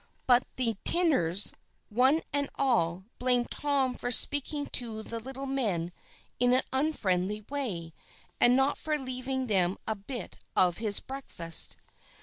But the tinners, one and all, blamed Tom for speaking to the little men in an unfriendly way, and for not leaving them a bite of his breakfast.